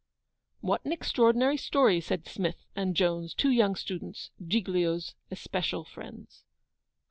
'What an extraordinary story!' said Smith and Jones, two young students, Giglio's especial friends.